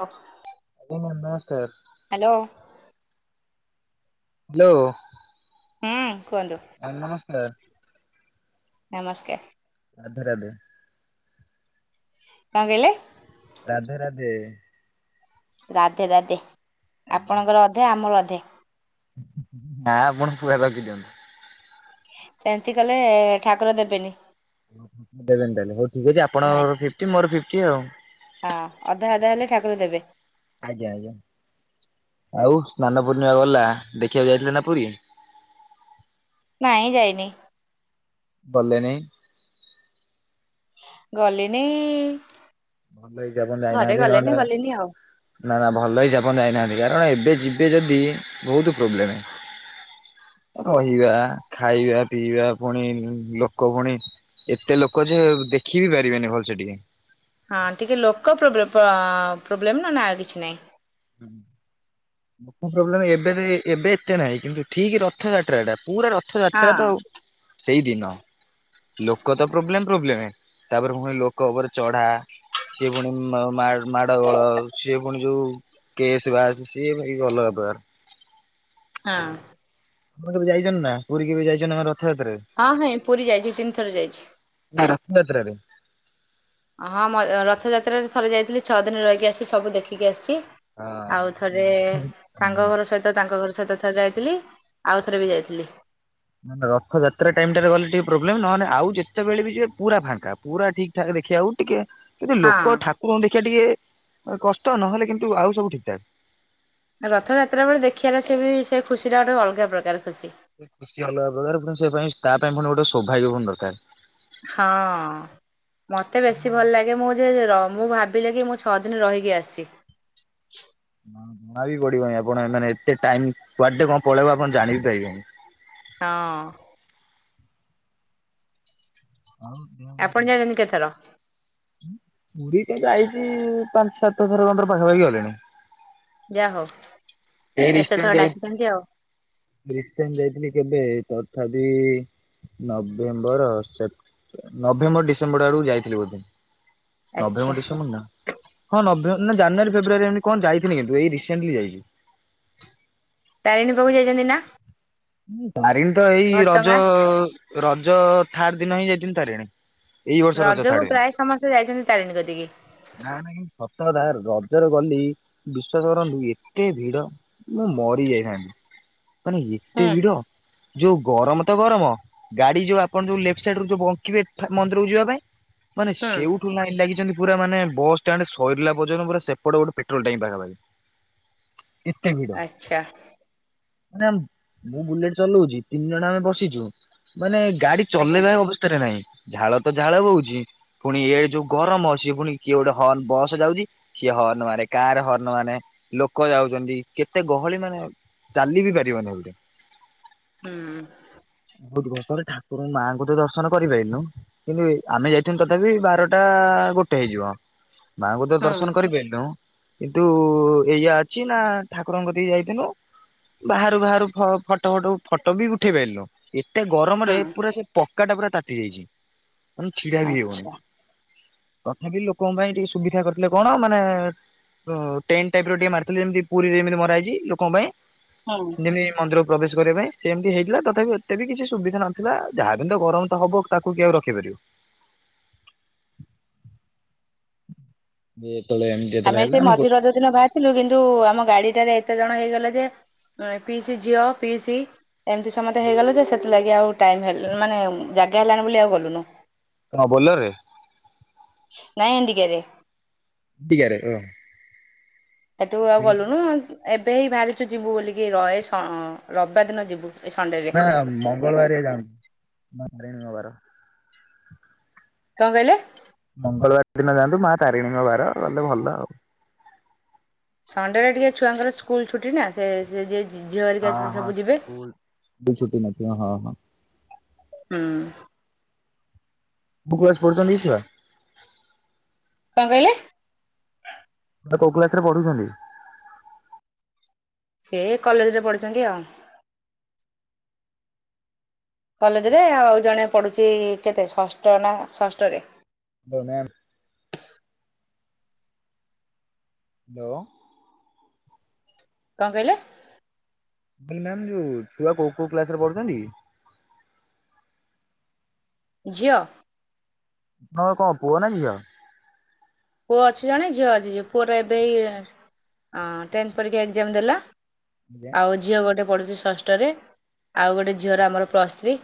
ହ ଆଜ୍ଞ ନମସ୍କାର। ଲୋ ହୁଁ କୁହନ୍ତୁ ଆ ନମସ୍କାର। ନମସ୍କାର। ରାଧେ ରାଧେ। କଣ କହିଲେ? ରାଧେ ରାଧେ। ରାଧେ ରାଧେ। ଆଜ୍ଞା। ଆପଣଙ୍କର ଅଧେ ଆମର ଅଧେ। ନା ଆପଣ ପୁରା ରଖି ଦିଅନ୍ତୁ। ସେମିତି କଲେ ଠାକୁର ଦେବେନି। [inaudible] ଦେବେନି ତାହେଲେ ହଉ ଠିକ ଅଛି ଆପଣ ନାଇଁ ଫିଫ୍ଟି ମୋର ଫିଫ୍ଟି ଆଉ। ହଁ ଅଧା ଅଧା ହେଲେ ଠାକୁର ଦେବେ। ଆଜ୍ଞା, ଆଜ୍ଞା। ଆଉ ସ୍ନାନ ପୂର୍ଣ୍ଣିମା ଗଲା ଦେଖିବାକୁ ଯାଇଥିଲେ ନା ପୁରୀ? ନାଇଁ ଯାଇନି। ଗଲେ ନାଇ। ଗଲିନି ଭଲ ହେଇଚି ଆପଣ ଘରେ ଯାଇନାହାନ୍ତି। ଗଲେନି ନହେଲେ ଗଲିନି ଆଉ ନା ନା ଭଲ ହେଇଚି ଆପଣ ଯାଇନାହା କାରଣ ଏବେ ଯିବେ ଯଦି ବହୁତ ପ୍ରୋବ୍ଲେମ୍। ଅ, ରହିବା, ଖାଇବା, ପିଇବା, ପୁଣି ଲୋକ ପୁଣି ଏତେ ଲୋକ ଯେ ଦେଖି ବି ପାରିବେନି ଭଲ ସେ ଟିକେ। ହଁ ଟିକେ ଲୋକ ପ୍ରବ୍ଲେ ପ-ପ୍ରୋବ୍ଲେମ୍ ନନେ ଆଉ କିଛି ନାହିଁ। ଲୋକ ପ୍ରୋବ୍ଲେମ୍ ଏବେବି ଏବେ ଏତେ ନାହିଁ। କିନ୍ତୁ ଠିକ ରଥଯାତ୍ରା ଟା ପୁରା ର ଥ ହଁ ଯାତ୍ରା ତ ଆଉ ସେଇ ଦିନ ଲୋକ ତ ପ୍ରୋବ୍ଲେମ୍। ପ୍ରବ୍ଲେମ୍ ତାପରେ ପୁଣି ଲୋକ ଉପରେ ଚଢା ସିଏ ପୁଣି ମ-ମା ମାଡ ଗୋଳ ସିଏ ପୁଣି ଯୋଉ କେସ୍ ବାସ୍ ସିଏ ଭାଇ ଅଲଗା ପ୍ରକାର। ହଁ। ଆପଣ କେବେ ଯାଇଚନି ନା, ପୁରୀ କେବେ ଯାଇଚନି ନା ମାନେ ର ଥରେ ଥରେ ହଁ ହଁ ପୁରୀ ଯାଇଛି ତିନି ଥର ଯାଇଛି ନାଁ ରଥଆତ୍ରାରେ। ହଁ ମ ରଥଯାତ୍ରାରେ ଥରେ ଯାଇଥିଲି ଛଅ ଦିନ ରହିକି ଆସଚି ସବୁ ଦେଖିକି ଆସିଚି। ଆଉ ଥରେ ହଁ। ରଥ- ହଁ। ସାଙ୍ଗ ଘର ସହିତ ତାଙ୍କ ଘର ସ ତ ଥର ଯାଇଥିଲି ଆଉ ଥରେ ବି ଯାଇଥିଲି। ନନେ ରଥଯାତ୍ରା ଟାଇମ୍ ଟାରେ ଗଲେ ଟିକେ ପ୍ରୋବ୍ଲେମ୍ ନହେନେ ଆଉ ଯେତେବେଳେ ବି ଯିବେ ପୁରା ଫାଙ୍କା ପୁରା ଠିକ୍ ଠା ଦେଖି ଆଉ ଟିକେ କିନ୍ତୁ ଲୋକ ହଁ ଠାକୁରଙ୍କୁ ଦେଖିବା ଟିକେ ମାନେ କଷ୍ଟ ନହେଲେ କିନ୍ତୁ ଆଉ ସବୁ ଠିକ ଠାକ୍। ଆ ରଥଯାତ୍ରା ବେଳେ ଦେଖିବାର ସେ ବି ସେ ଖୁସିଟା ଗୋଟେ ଅଲଗା ପ୍ରକାର ଖୁସି। ଏ ଖୁସି ଅଲଗା ପ୍ରକାର ପୁଣି ସେ ପାଇଁ ତା ପାଇଁ ପୁଣି ଗୋଟେ ସୌଭାଗ୍ୟ ଫୁଣି ଦରକାର। ହଁ ମତେ ବେଶୀ ଭଲ ଲାଗେ ମୁଁ ଯେ ର ମୁଁ ଭା ବିଲେ କି ମୁଁ ଛଅ ଦିନ ରହିକି ଆସଚି। ହଁ ଜଣା ବି ପଡ଼ିବନି ଆପଣ ଏ ମାନେ ଏତେ ଟାଇମ୍ କ୍ୱାଡ଼େ କଁ ପଳେଇବ ଆପଣ ଜାଣି ବି ପାରିବେନି। ହଁ। ଆଉ ଦେହ କଣ ଆପଣ କେମିତି? ଯାଉଚନ୍ତି କେତର? ପୁରୀ କା ଯଇଚି ପାଞ୍ଚ୍ ସାତଥର ଖଣ୍ଡର ପାଖାପାଖି ଗଲିଣି। ଯା ହେଉ। ଏ ରିସେନ୍ ଯାଇ ରିସେନ୍ ଯାଇଥିଲି। କେବେ ତଥାପି ନଭେମ୍ବର ସେ ନଭେମ୍ବର ଡିସେମ୍ବଡ଼ ଆଡ଼ୁ ଯାଇଥିଲି ବୋଧେ। ଆଚ୍ଛା ନଭେମ୍ବର ଡିସେମ୍ବର ନାଁ ହଁ ନଭେ ନାଁ ଜାନୁଆରୀ ଫେବୃୟାରୀ ଏମିତି କଣ ଯାଇଥିନି କିନ୍ତୁ ଏଇ ରିସେଣ୍ଟଲି ଯାଇଚି। ତାରିଣୀ ପାଖୁ ଯାଇଚନ୍ତି ନାଁ? ଉଁ ତାରିଣୀ ତ ଏଇ ରଜ ରଜ ଥାର୍ଡ଼୍ ଦିନ ହିଁ ଯାଇଥିନି ତାରିଣୀ। ଏଇ ବର୍ଷ ରଜ ରଜକୁ ଥାଡ଼ ଏନ୍ ପ୍ରାୟ ସମସ୍ତେ ଯାଇଛନ୍ତି ତାରିଣୀ କତିକି। ନାଁ ନାହିଁ ସତ ଧାର ରଜରେ ଗଲି ବିଶ୍ଵାସ କରନ୍ତୁ ଏତେ ଭିଡ଼ ମୁଁ ମରି ଯାଇଥାନ୍ତି। ମାନେ ଏତେ ହୁଁ ଭିଡ଼ ଯୋଉ ଗରମ ତ ଗରମ ଗାଡ଼ି ଯୋଉ ଆପଣ ଯୋଉ ଲେପ୍ଟ୍ ସାଇଡ଼୍ ରୁ ଯୋଉ ବଙ୍କିବେ ଠା ମନ୍ଦିରକୁ ଯିବା ପାଇଁ ମାନେ ହୁଁ ସେଉଠୁ ଲାଇନ୍ ଲାଗିଚନ୍ତି। ପୁରା ମାନେ ବସ୍ ଟାଣ୍ଡ୍ ସରିଲା ପର୍ଯ୍ୟନ୍ତ ପୁରା ସେପଟେ ଗୋଟେ ପେଟ୍ରୋଲ୍ ଟାଙ୍କ ପାଖାପାଖି। ଏତେ ଭିଡ ଆଚ୍ଛା। ମାନେ ମୁଁ ବୁଲେଟ୍ ଚଲଉଚି ତିନି ଜଣ ଆମେ ବସିଚୁ ମାନେ ଗାଡ଼ି ଆଜ୍ଞା ଚଲେଇବା ଏ ଅବସ୍ଥାରେ ନାହିଁ। ଝାଳ ତ ଝାଳ ବୋହୁଚି ପୁଣି ଏ ଯୋଉ ଗରମ ସିଏ ଫୁଣି କିଏ ଗୋଟେ ହନ୍ ବସ୍ ଯାଉଚି କିଏ ହ ହନ୍ ମାରେ କାର୍ ହର୍ଣ୍ଣ ମାନେ ଲୋକ ଯାଉଚନ୍ତି କେତେ ଗହଳି ମାନେ ଚାଲି ବି ପାରିବନି ଏଉଟେ। ହୁଁ। ବୋହୁତ ଗସ୍ତରେ ଠାକୁରଉଁ ମାଙ୍କୁ ତ ଦର୍ଶନ କରିପାଇନୋଉ କିନ୍ତୁ ଆମେ ଯାଇଥିନୁ ତଥାପି ବାରଟା ଆ ଗୋଟେ ହେଇଯିବ ମାଙ୍କୁ ତ ହୁଁ ଦର୍ଶନ କରିପାଇଲୁନୋଉ କିନ୍ତୁ ଏଇଯା ଅଛି ନାଁ ଠାକୁରଙ୍କ କତିକି ଯାଇଥିନୁ। ବାହାରୁ ବାହାରୁ ଫ ଫଟ ଫଟ ଉ ଫଟ ବି ଉଠେଇ ପାଇଲୁନୋଉ ଏତେ ଗରମରେ ହୁଁ ପୁରା ସେ ପ କାଟା ପୁରା ତାତି ଯାଇଚି ମାନେ ଛିଡ଼ା ବି ହେଇ ହୋଉନି। ଆଚ୍ଛା ତଥାପି ଲୋକଙ୍କ ପାଇଁ ଟିକେ ସୁବିଧା କରିଥିଲେ କଣ ମାନେ ର ଟେନ୍ ଟାଇପ୍ ର ଟିକେ ମାରିଥିଲେ ଯେମିତି ପୁରୀରେ ଯେମିତି ମରା ହେଇଚି ଲୋକଙ୍କ ପାଇଁ ହୁଁ। ଯେମିତି ମନ୍ଦିର ପ୍ରବେଶ କରିବା ପାଇଁ ସେମତି ହେଇଥିଲା ତଥାପି ଏତେ ବି କିଛି ସୁବିଧା ନଥିଲା ଯାହା ବି ହେନେ ତ ଗରମ ତ ହବ ତାକୁ କି ଆଉ ରଖିପାରିବ? [inaudible] ବେଶ ଆମେ ସେ ମଝି ରଜ ଦିନ ବାହାରିଥିଲୁ କିନ୍ତୁ ଆମ ଗାଡ଼ିଟାରେ ଏ ତେ ଜଣ ହେଇଗଲେ ଯେ ଏଁ ପିଇସି ଝିଅ ପିଇସି ଏମତି ସମତେ ହେଇଗଲେ ଯେ ସେଥିଲାଗି ଆଉ ଟାଇମ୍ ହେଲ୍ ମାନେ ଜାଗା ହେଲାନି ବୋଲି ଆଉ ଗଲୁନୁ। ହଁ ବୋଲର୍ ରେ? ନାଇଁ ଏଣ୍ଡିକି ରେ ଏଟିିକାାରେ ହ ସେଠୁ ଆଉ ଗଲୁନୁ ଏବେ ହି ବାହାରିଛୁ ଯିବୁ ବୋଲିକି ଏ ରବିବାର ଦିନ ଯିବୁ ଏ ସଣ୍ଡେରେ ନା ମଙ୍ଗଳବାରଆ ଯଣ ହାରିଣୀବାର କଣ କହିଲେ ମଙ୍ଗଳବାର ଦିନ ଯାଆନ୍ତୁ ମା ତାରିଣୀଙ୍କ ବାର ଗଲେ ଭଲ ଆଉ ସଣ୍ଡେ ରେ ଟିକେ ଛୁଆଙ୍କର ସ୍କୁଲ ଛୁଟି ନା ସେ ଝିଅ ହେରିକା ହଁ ହଁ ସବୁ ଯିବେ ସ୍କୁଲ ସ୍ ଛଟି ନ ହଁ ହଁ ହୁଁ ବୁକ୍୍ସ ପଚଛ [inaudible] କଣ କହିଲେ କୋଉ କ୍ଲାସ ରେ ପଢୁଛନ୍ତି ସେ କଲେଜ ରେ ପଢିଛନ୍ତି ଆଉ କଲେଜରେ ଆଉ ଜଣେ ପଢୁଛି କେତେ ଷଷ୍ଠ ନା ଷଷ୍ଠରେ ଦଡୋନେନ୍ [unintelligible] ହ୍ୟାଲୋ କଣ କହିଲେ? [unintelligible] ଯୋଉ ଛୁଆ କୋଉ କୋଉ କ୍ଲାସ ରେ ପଢୁଛନ୍ତି? ଝିଅ? ତମର କଣ ପୁଅ ନା ଝିଅ? ପୁଅ ଅଛି ଜଣେ ଝିଅ ଅଛି ପୁଅର ଏବେ ଏଇ ଟେନ୍ଥ ପରୀକ୍ଷା ଏଗଜାମ୍ ଦେଲା। ଆଉ ଝିଅ ଗୋଟେ ପଢୁଛି ଷଷ୍ଠରେ ଆଉ ଗୋଟେ ଝିଅର ଆମର ପ୍ଲସ ଥ୍ରି।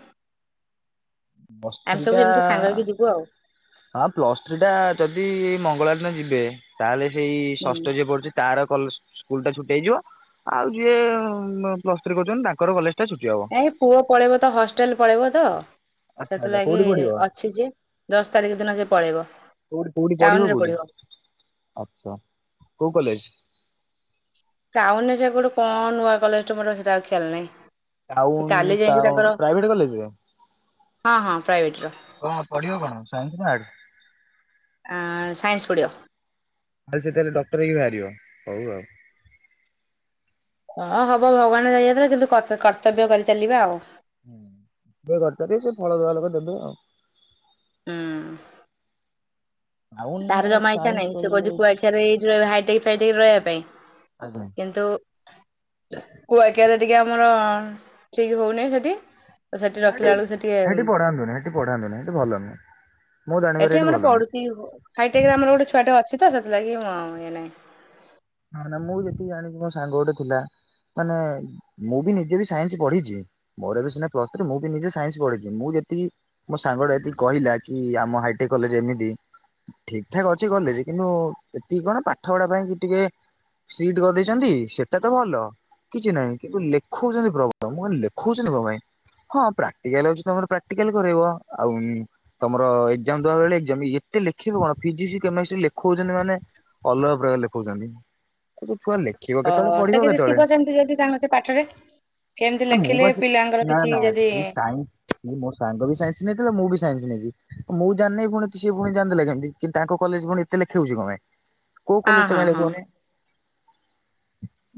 ପ୍ଲସ ଥ୍ରି ଟା ଆଉ ଆ ପ୍ଲସ ଥ୍ରି ଟା ଯଦି [unintelligible] ଯିବେ ତାହେଲେ ସେଇ ହୁଁ ଷଷ୍ଠ ଯିଏ ପଡୁଛି ତାର କଲ ସ୍କୁଲ ଟା ଛୁଟି ହେଇଯିବ, ଆଉ ଯିଏ ପ୍ଲସ୍ ଥ୍ରୀ କରୁଛନ୍ତି ତାଙ୍କର କଲେଜ ଟା ଛୁଟି ହବ। ଏଇ ପୁଅ ପଳେଇବ ତ ହଷ୍ଟେଲ ପଳେଇବ ତ। ଆଚ୍ଛା ଆଚ୍ଛା ସେଥିଲାଗି କୋଉଠି ପଢିବ ଅଛି ଯେ ଦଶ ତାରିଖ ଦିନ ସେ ପଳେଇବ। କୋଉଠି କୋଉଠି ଟାଉନ ପଢିବ ରେ କୋଉଠି, ଆଛା କୋଉ କଲେଜ? ଟାଉନ ରେ ସେ ଗୋଟେ କଣ ନୂଆ କଲେଜଟା ସେଇଟା ଆଉ ଖିଆଲ ନାହିଁ। ସେ ଟାଉନ୍ କାଲି ଯାଇକି ତାଙ୍କର ଟାଉନ୍ ପ୍ରାଇଭେଟ କଲେଜରେ? ହଁ ହଁ ପ୍ରାଇଭେଟ୍ ର। କଣ ପଢ଼ିବ କଣ ସାଇନ୍ସ ନା ଆର୍ଟ୍ସ? ସାଇନ୍ସ ପଡ଼ିବ। ସେ ତାହେଲେ ସେ ତାହେଲେ ଡକ୍ଟର ହେଇକି ବାହାରିବ, ହଉ ଆଉ। ହଁ ହବ ଭଗବାନ [unintelligible] କିନ୍ତୁ କର୍ତ୍ତବ୍ୟ କରି ଚାଲିବା ଆଉ। ହୁଁ କରିପାରିବେ ସେ [unintelligible] ହୁଁ। ଟାଉନ ତାର ଜମା ଇଚ୍ଛା ସାଇନ୍ସ ନାଇଁ ସେ କଲେଜ କହୁଛି, କୁଆଖିଆରେଇ ଏଇ ଯୋଉ ହାଇଟେକ୍ ଫାଇଟେକ୍ ରେ ରହିବା ପାଇଁ। ଆଜ୍ଞା। କିନ୍ତୁ କୁଆଖୀଆରେ ଟିକେ ଆମର ଠିକ ହଉନି ସେଠି। ତ ରଖିଲା ସେଠି ବେଳକୁ ସେ ଟିକେ ସେଠି ପଢାନ୍ତୁନି ସେଠି ପଢାନ୍ତୁନି ସେଠି ଭଲ ନୁହଁ। ମୁଁ ଜାଣିବାରେ ଏଠି ହେଠି ଆମର ଭଲ ନୁହଁ। ପଡୁଛି [unintelligible] ହାଇଟେକ୍ ରେ ଆମର ଗୋଟେ ଛୁଆଟେ ଅଛି ତ, ସେଥିଲାଗି ମୁଁ ଇଏ ନାଇଁ। ହଁ ନା ମୁଁ ଯେତିକି ଜାଣିଛି ମୋ ସାଙ୍ଗ ଗୋଟେ ଥିଲା। ମାନେ ମୁଁ ବି ନିଜେ ବି ସାଇନ୍ସ ପଢିଛି, ମୋର ଏବେ ସିନା ପ୍ଲସ ଥ୍ରି ମୁଁ ବି ନିଜେ ସାଇନ୍ସ ପଢ଼ିଛି। ସେଠି ମୋ ସାଙ୍ଗଟା ଏତିକି କହିଲା କି ଆମ ହାଇଟେକ୍ କଲେଜ ଏମିତି। ଠିକ ଠାକ ଅଛି କଲେଜ କିନ୍ତୁ ଏତିକି କଣ ପାଠ ପଢା ପାଇଁ ଟିକେ ସିଟ କରିଦେଇଛନ୍ତି ସେଟା ତ ଭଲ। କିଛି ନାହିଁ କିନ୍ତୁ ଲେଖଉଛନ୍ତି ପ୍ରବଳ ମୁଁ [unintelligible] ଲେଖଉଛନ୍ତି [unintelligible] ପାଇଁ? ହଁ ପ୍ରାକ୍ଟିକାଲ ଅଛି ତମର ପ୍ରାକ୍ଟିକାଲ କରେଇବ ଆଉ ତମର ଏଗଜାମ ଦବା ବେଳେ ଏଗଜାମ ଏ ଏତେ ଲେଖିବେ କଣ ଫିଜିକ୍ସ କେମିଷ୍ଟ୍ରି ଲେଖୋଉଚନ୍ତି ମାନେ ଅଲଗା ପ୍ରକାର ଲେଖୋଉଚନ୍ତି। ଛୁଆ ଲେଖିବ କେତେବେଳେ ଓହୋ ସେ ପଢିବ କିଛି କେତେବେଳେ? ଥିବ ସେମିତି ଯଦି ତାଙ୍କ ସେ ପାଠରେ କେମିତି ଆ ମୁଁ ଲେଖିଲେ ପା ସେ ପିଲାଙ୍କର ନା କିଛି ନା ଯଦି ସେଇ ସାଇନ୍ସ ମୋ ସାଙ୍ଗ ବି ସାଇନ୍ସ ନେଇ ଥିଲା ମୁଁ ବି ସାଇନ୍ସ ନେଇଚି ମୁଁ ଜାଣିନେଇଁ ପୁଣି ତ ସିଏ ପୁଣି ଜାଣଦେଲା କେମିତି କି ତାଙ୍କ କଲେଜ ପୁଣି ଏତେ ଲେଖେଉଚି କଣ ପାଇଁ? କୋଉ ହଁ କଲେଜ ତ ହଁ କାଇଁ ହଁ ଲେଖୋଉନି।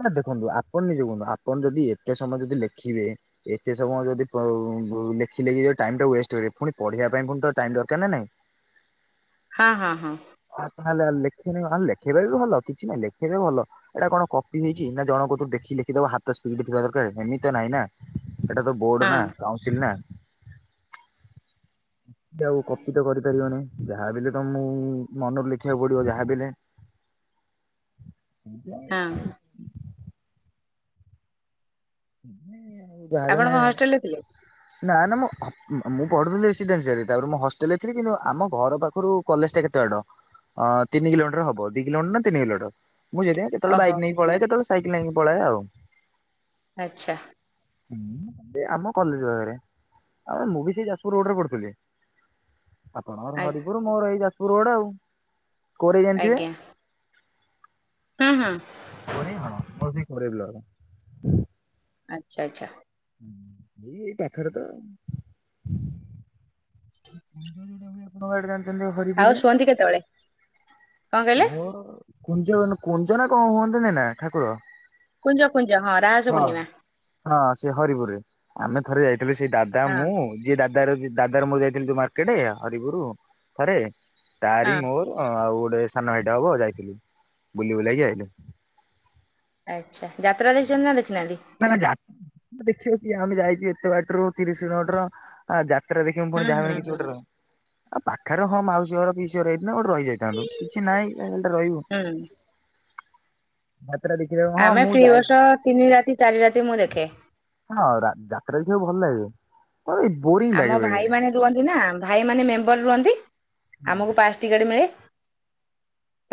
ମାନେ ଦେଖନ୍ତୁ ଆପଣ ନିଜେ କୁହନ୍ତୁ ଆପଣ ଯଦି ଏତେ ସମୟ ଯଦି ଲେଖିବେ, ଏତେ ସମୟ ଯଦି ପ ଉ ଲେଖିଲେଖି ଯୋଉରା ଟାଇମ୍ ଟା ୱେଷ୍ଟ କରିବେ ଫୁଣି ପଢିବା ଫୁଣି ତ ଟାଇମ୍ ଦରକାର ନା ନାଇଁ? ହଁ ହଁ ହଁ। ହଁ ନହେଲେ ଲେଖିନିଅ ହଁ ଲେଖେଇବା ବି ଭଲ କିଛି ନହିଁ ଲେ ସିଏ ବି ଭଲ ଏଇଟା କଣ କପି ହେଇଚି ନା ଜଣକ କତୁରୁ ଦେଖିକି ଲେଖିଦବ ହାତ ସ୍ପିଡ୍ ଥିବା ଦରକାର ଏମିତି ତ ନାଇଁ ନା। ଏଟା ତ ବୋର୍ଡ ହଁ ନା କାଉନସିଲ ନା। ଏ ଆଉ କପି ତ କରିପାରିବନି। ଯାହା ବି ହେଲେ ତମକୁ ମନରୁ ଲେଖିବାକୁ ପଡିବ ଯାହା ବି ହେଲେ ହଁ [unintelligible] ହୁଁ। ଆପଣ କଣ ହଷ୍ଟେଲରେ ଥିଲେ? ନା ନା ମୁଁ ଅମ୍ ମୁଁ ପଢୁଥିଲି ରେସିଡେନସିଆରେ ତାପରେ ମୁଁ ହଷ୍ଟେଲରେ ଥିଲି କିନ୍ତୁ ଆମ ଘର ପାଖରୁ କଲେଜଟା କେତ ଦେଢ ଅ ତିନି କିଲୋମିଟର ହବ ଦି କିଲୋମିଟର ନା ତିନି କିଲୋମିଟର। ମୁଁ ଯଦି କେତେବେଳେ ଓହୋ ବାଇକ ନେଇକି ପଳଏ କେତେବେଳେ ସାଇକେଲ ନେଇକି ପଳଏ ଆଉ। ଆଚ୍ଛା। ହୁଁ ଆମ କଲଜେ ପାଖରେ। ଆଉ ମୁଁ ବି ସେଇ ଯାଜପୁର ରୋଡରେ ପଡଥୁଲି। ଆପଣଙ୍କର ଘଳ ହରିପୁରୁ ମୋର ଏଇ ଯାଜପୁର ରୋଡ ଆଉ କୋରେଇ ଜାଣିଥିବେ। ଆଜ୍ଞା ହୁଁ ହୁଁ କୋରେଇ ହଁ ମୋର ସେଇ କୋରେଇ ବ୍ଲକ। ଆଛା ଆଛା। ଉଁ ଏଇ ଏଇ ପାଖରେ ତ। [unintelligible] [unintelligible] ଆଉ ହରିପୁରରେ ଶୁଅନ୍ତି କେତେବେଳେ କଣ କହିଲେ? ଭୋର କୁଞ୍ଜବନ କୁଞ୍ଜ ନା କଣ ହୁଅନ୍ତି ନେଇ ନା ଠାକୁର। କୁଞ୍ଜ କୁଞ୍ଜ ରାହାସ ହଁ ପୂର୍ଣ୍ଣିମା ହଁ ସିଏ ହରିପୁରରେ। ଆମେ ଥରେ ଯାଇଥିଲୁ ସେଇ ଦାଦା ହଁ ମୁଁ ଯିଏ ଦାଦର ଯି ଦାଦାର ମୋର ଯାଇ ଥିଲି ଯୋଉ ମାର୍କେଟେ ହରିପୁରୁ ଥରେ ତାରି ହଁ ମୋର ଆଉ ଗୋ ଟେ ସାନ ଭାଇଟା ହବ ଆଉ ଯାଇଥିଲି ବୁଲିବୁଲାକି ଆଇଲି ଆଚ୍ଛା ଯାତ୍ରା ଦେଖଚନ୍ତି ନା ଦେଖନା ନା ନା ଯା ଦେଖିବ କିଏ ଆମେ ଯାଇଚୁ ଏତେ ବାଟରୁ ତିରିଶି କିଲୋମିଟର ଆ ଯା ପାଖରେ ଦେଖିବୁ ପୁଣି ହୁଁ ଯାହାବି ହୁଁ କିଛି ହୁଁ ଗୋଟେର ଆଉ ପାଖରେ ହଁ ମାଉସୀ ଘର ହେଇ ନା ଗୋଟେ ରହିଯାଇଥାନ୍ତୁ କିଛି ନାଇଁ କାଇଁ ଖାଲିଟାରେ ରହିବୁ। ହୁଁ ସେଟା ଦେଖିଦବ ହଁ ଆମେ ମୁଁ ଫ୍ରି ବର୍ଷ ଯାଇଚି। ତିନି ରାତି ଚାରି ରାତି ମୁଁ ଦେଖେ। ହଁ ରା ଯାତ୍ରା ଦେଖିବାକୁ ଭଲ ଲାଗିବ। ଆମ ଭାଇମାନେ ରୁହନ୍ତି ନା ଭାଇମାନେ ମେମ୍ବର ରୁହନ୍ତି ହୁଁ ଆମକୁ ପାସ୍ ଟିକେଟ ମିଳେ।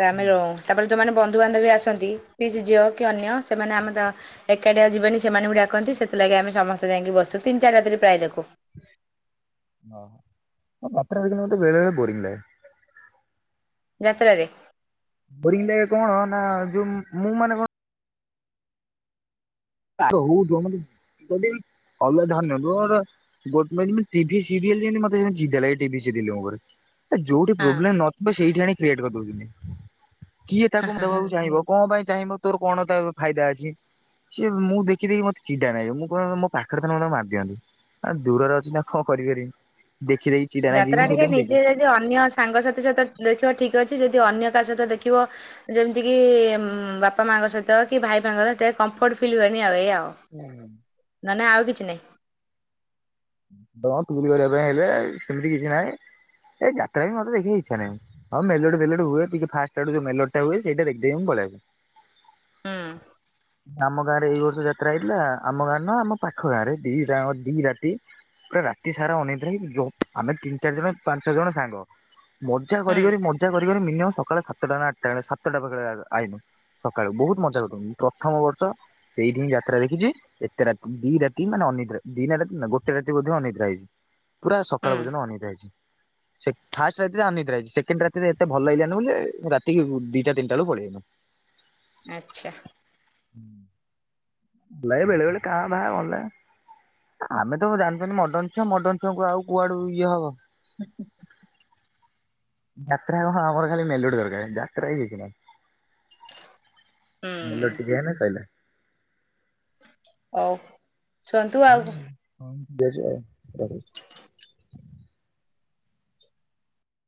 ତା ଆମେ ହୁଁ ରଉଁ ତାପ ସେମାନେ ବନ୍ଧୁବାନ୍ଧବ ବି ଆସନ୍ତି ପିଇସି ଝିଅ କି ଅନ୍ୟ ସେମାନେ ଆମେ ତା ଏକାଟିଆ ଯିବେନି ସେମାନେ ବି ଡାକନ୍ତି। ସେଥିଲାଗି ଆମେ ସମସ୍ତେ ଯାଇଁକି ବସୁ ତିନି ଚାରି ରାତିରେ ପ୍ରାୟେ ଦେଖୁ। ଅହ ହଁ ମତେ [unintelligible] ବେଳେବେଳେ ବୋରିଂ ଲାଗେ। ଯାତ୍ରାରେ? ବୋରିଂ ଲାଗେ କଣ ନା ଯୋଉ ମୁଁ ମାନେ କଣ ତା ହୋଉ ଯୋମିତି ଯଦିବି ଅଲଗା ଧରନିଅନ୍ତୁ ଗୋଟେ ଗୋ ମାନ ମାନେ ଟିଭି ସିରିଏଲ ଯେମତେ ମତେ ବି ସେମତି ଚିଡାଲାଗେ ଟିଭି ସିରିଏଲଙ୍କ ଓପରେ। ଏ ଯୋଉଠି ହଁ ପ୍ରୋବ୍ଲେମ ନଥିବ ସେଇଠି ଆଣି କ୍ରିଏଟ କରିଦଉଛନ୍ତି। କିଏ ହଁ ତାକୁ ହଁ ହଁ ଦେବାକୁ ଚାହିଁବ କଣ ପାଇଁ ଚାହିଁବ ତୋର କଣ ତା ଫାଇଦା ଅଛି। ସିଏ ମୁଁ ଦେଖି ଦେଖି ମତେ ଚିଡ଼ା ନାଗେ ମୁଁ କହେ ମୋ ପାଖରେ ଥିଲେ ମୁଁ ତାକୁ ମାରିଦିଅନ୍ତି। ଆ ଦୂରରେ ଅଛି ନା କଣ କରିପାରିବି। ଦେଖିଦେଖି ଚିଡା ନାଗିକି ଯାତ୍ରା ମୁଁ ଟିକେ ସେଇଥିପାଇଁ ଦେଖେ। ନିଜେ ଯଦି ଅନ୍ୟ ସାଙ୍ଗସାଥି ସହିତ ଦେଖିବ ଠିକ। ଅଛି ଯଦି ଅନ୍ୟ କାହା ସହିତ ଦେଖିବ ଯେମିତି କି ବାପା ମାଙ୍କ ସହିତ କି ଭାଇ ଫାଇଙ୍କ। କମଫର୍ଟ ଫିଲ୍ ହୁଏନି ଆଉ ଏଇଆ ଆଉ ନ ନାଇ ଆଉ କିଛି ନାଇଁ। ବ ପିରିୟଡ଼ ଏବେ ହେଲେ ସେମିତି କିଛି ନହିଁ। ଏ ଯାତ୍ରା ବି ମତେ ଦେଖିବାକୁ ଇଚ୍ଛା ନାଁଇ ହଁ ମଲୋଡି ଫେଲୋଡ଼ି ହୁଏ ଟିକେ ଫାଷ୍ଟ ଆଡୁ ଯୋଉ ମେଲୋଡ଼ି ଟା ହୁଏ ସେଇଟା ଦେଖି ଦେଇକି ମୁ ପଳେଇ ଆସେ। ହୁଁ। ଆମ ଗାଁ ରେ ଏଇ ବର୍ଷ ଯାତ୍ରା ହେଇଥିଲା ଆମ ଗାଁରେ ନୁହଁ ଆମ ପାଖ ଗାଁରେ ଦିଟା ଯାଙ୍କ ଦି ରାତି। ପୁରା ରାତି ସାରା ଅନିଦ୍ରା ହେଇ ଜ ଆମେ ତିନି ଚାରି ଜଣ ପାଞ୍ଚ ଜଣ ସାଙ୍ଗ। ମଜା କରି ହୁଁ କରି ମଜା କରି କରି ମିନିମମ ସକାଳେ ସାତଟା ନ ଆଟା ବଳେ ସାତଟା ପାଖରେ ଆଇଲୁ। ସକାଳୁ ବହୁତ ମଜା କରୁ ମୁଁ ପ୍ରଥମ ବର୍ଷ ସେଇଟି ହିଁ ଯାତ୍ରା ଦେଖିଛି ଏତେ ରାତି ଦି ରାତି ମାନେ। ଅନିଦ୍ରା ଦି ଟା ରାତି ନା ଗୋଟେ ରାତି ବୋଧେ ଅନିଦ୍ରା ହେଇଛି ପୁରା ହୁଁ ସକାଳ ପର୍ଯ୍ୟନ୍ତ ଅନିଦ୍ରା ହେଇଛି। ସେ ଫାଷ୍ଟ ରାତିରେ ଅନିଦ୍ରା ହେଇଚି ସେକଣ୍ଡ ରାତିରେ ଏତେ ଭଲ ଲାଗିଲାନି ବୋଲି ରାତିି ଦି ଟା ତିନିଟା ବେଳକୁ ପଳେଆଇଲୁ। ଆଚ୍ଛା। ହୁଁ ବେଳେ ବେଳେ କା ଭାଁ ଭଲ ଲାଗେ ଆମେ। ତ ସବୁ ଜାଣିଛନ୍ତି ମଡନ ଛୁଆ ମଡନ ଛୁଆଙ୍କୁ ଆଉ କୁଆଡୁ ଇଏ ହବ। ଆ [inaudible] ଯାତ୍ରା ରେ ହଁ ଆମର ଖାଲି ମେଲୋଡି ଦରକାର ଯାତ୍ରା ରେ କିଛି ନାହିଁ। ହ [inaudible] ମେଲୋଡ଼ି ଟିକେ ହେଲେ ସଇଲା। ଅଉ। ହୁଁ ହୁଁ। [unintelligible]